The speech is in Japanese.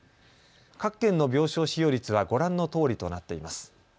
各県の病床使用率はご覧のとおりとなっています。